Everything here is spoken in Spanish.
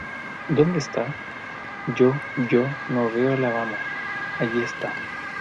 ¿ Dónde está? Yo yo no veo la vamos. allí está .